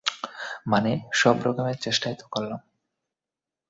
মানে, সব রকমের চেষ্টাই তো করলাম।